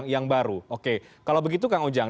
yang baru oke kalau begitu kang ujang